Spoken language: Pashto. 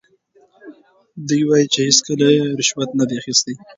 دی وایي چې هیڅکله یې رشوت نه دی اخیستی.